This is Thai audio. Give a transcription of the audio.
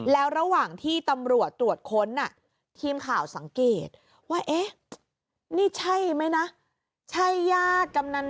แล้วระหว่างที่ตำรวจตรวจค้นทีมข่าวสังเกตว่านี่ใช่ไหมนะ